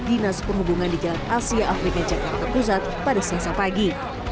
dinas perhubungan di jalan asia afrika jakarta pusat pada selasa pagi